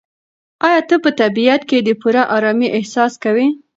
ایا ته په طبیعت کې د پوره ارامۍ احساس کوې؟